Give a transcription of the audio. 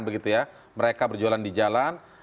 begitu ya mereka berjualan di jalan